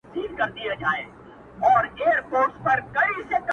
څوك به نيسي د ديدن د ګودر لاري!.